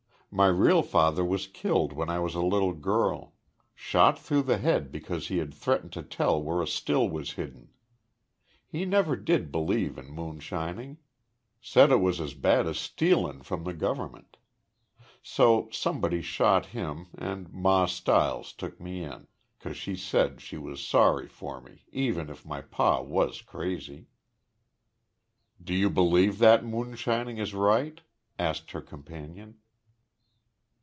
My real father was killed when I was a little girl. Shot through the head because he had threatened to tell where a still was hidden. He never did believe in moonshining. Said it was as bad as stealin' from the government. So somebody shot him and Ma Stiles took me in, 'cause she said she was sorry for me even if my pa was crazy." "Do you believe that moonshining is right?" asked her companion.